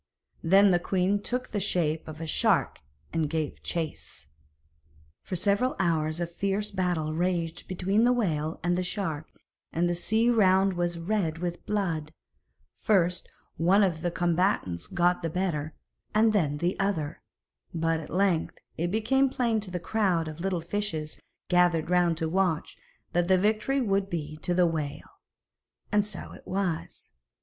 Then the queen took the shape of a shark and gave chase. For several hours a fierce battle raged between the whale and the shark, and the sea around was red with blood; first one of the combatants got the better, and then the other, but at length it became plain to the crowd of little fishes gathered round to watch, that the victory would be to the whale. And so it was.